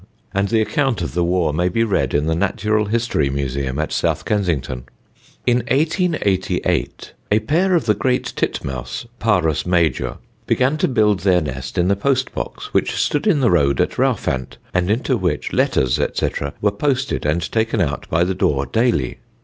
and the account of the war may be read in the Natural History Museum at South Kensington: "In 1888, a pair of the Great Titmouse (Parus major) began to build their nest in the post box which stood in the road at Rowfant, and into which letters, &c., were posted and taken out by the door daily.